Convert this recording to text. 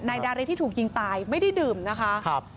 นายดาริสที่ถูกยิงตายไม่ได้ดื่มนะคะครับ